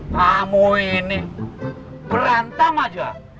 kamu ini berantem aja